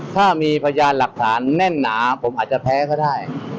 ถ้ามีพยานหลักฐานแน่นหนาผมอาจจะแพ้ก็ได้